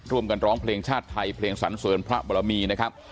ร่วมกันร้องเพลงชาติไทยเพลงสรรสวรรค์พระบรมีนะครับ